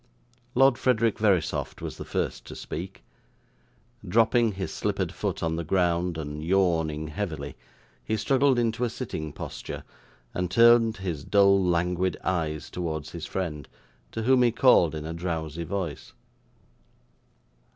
Lord Frederick Verisopht was the first to speak. Dropping his slippered foot on the ground, and, yawning heavily, he struggled into a sitting posture, and turned his dull languid eyes towards his friend, to whom he called in a drowsy voice.